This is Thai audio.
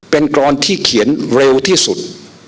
เป็นกรอนที่เขียนเร็วที่สุด